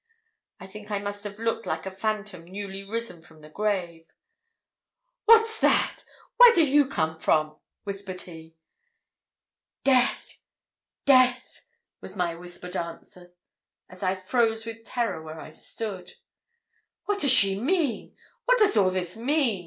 I think I must have looked like a phantom newly risen from the grave. 'What's that? where do you come from?' whispered he. 'Death! death!' was my whispered answer, as I froze with terror where I stood. 'What does she mean? what does all this mean?'